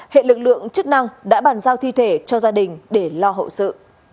hệ lực lượng chức năng đã bàn giao thi thể cho gia đình để lo hậu sự